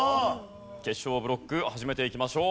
決勝ブロック始めていきましょう。